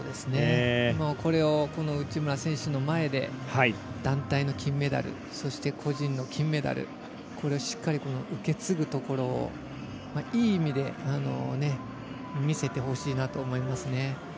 これを内村選手の前で団体の金メダルそして個人の金メダルこれをしっかり受け継ぐところをいい意味で見せてほしいなと思いますね。